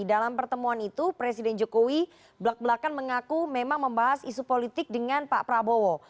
dalam pertemuan itu presiden jokowi belak belakan mengaku memang membahas isu politik dengan pak prabowo